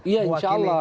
iya insya allah